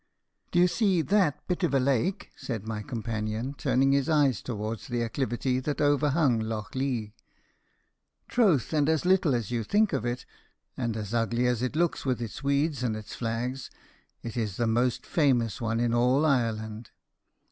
"Do you see that bit of a lake," said my companion, turning his eyes towards the acclivity that overhung Loughleagh. "Troth, and as little as you think of it, and as ugly as it looks with its weeds and its flags, it is the most famous one in all Ireland.